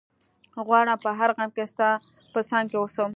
غواړم په هر غم کي ستا په څنګ کي ووسم